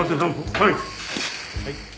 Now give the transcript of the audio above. はい。